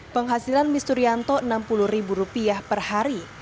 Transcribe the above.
penghasilan mis turianto rp enam puluh per hari